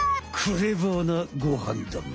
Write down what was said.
クレバーなごはんだん！